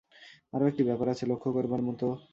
আরও একটি ব্যাপার আছে লক্ষ্য করবার মত।